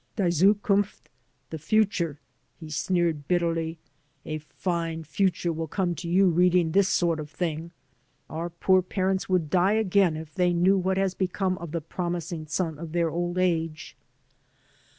Die Zukunft (The Future),'* he sneered, bitterly; "a fine future will come to you reading this sort of thing. Our poor parents would die again if they knew what has become of the promising son of their old age."